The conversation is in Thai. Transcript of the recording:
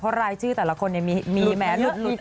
เพราะรายชื่อแต่ละคนเนี่ยมีแม้